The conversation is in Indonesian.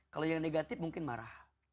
kalau yang negatif mungkin marah